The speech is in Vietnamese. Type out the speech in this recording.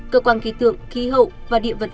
cơ quan kỳ tượng khí hậu và điện vật